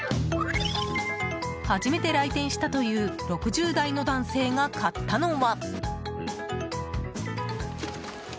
初めて来店したという６０代の男性が買ったのは。